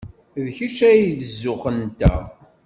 D kečč ay d zzux-nteɣ.